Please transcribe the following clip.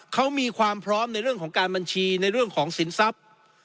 เขามีความพร้อมในเรื่องของการบัญชีในเรื่องของสินทรัพย์